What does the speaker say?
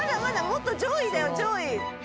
もっと上位だよ上位。